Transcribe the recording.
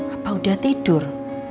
apa udah tidur